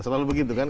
selalu begitu kan